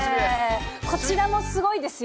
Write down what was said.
こちらもすごいですよ。